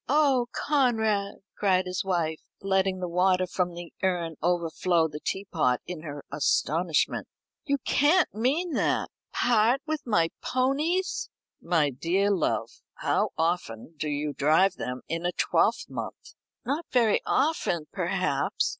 "Oh, Conrad!" cried his wife, letting the water from the urn overflow the teapot in her astonishment; "you can't mean that! Part with my ponies?" "My dear love, how often do you drive them in a twelvemonth?" "Not very often, perhaps.